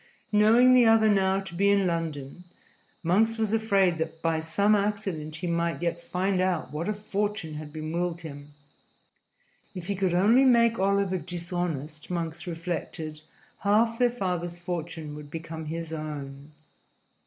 Knowing the other now to be in London, Monks was afraid that by some accident he might yet find out what a fortune had been willed him. If he could only make Oliver dishonest, Monks reflected, half their father's fortune would become his own.